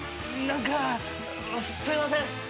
何かすいません。